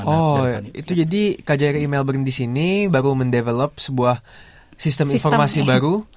oh itu jadi kjri melbourne di sini baru mendevelop sebuah sistem informasi baru